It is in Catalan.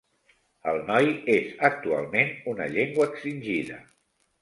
El Noi és actualment una llengua extingida.